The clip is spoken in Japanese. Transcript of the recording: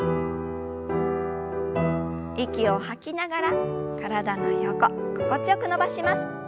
息を吐きながら体の横心地よく伸ばします。